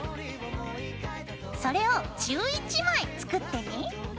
それを１１枚作ってね。